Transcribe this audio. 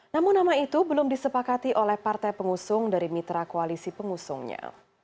namun nama itu belum disepakati oleh partai pengusung dari mitra koalisi pengusungnya